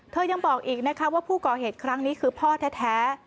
ยังบอกอีกนะคะว่าผู้ก่อเหตุครั้งนี้คือพ่อแท้